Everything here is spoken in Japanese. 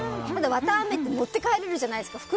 わたあめって持って帰れるじゃないですか。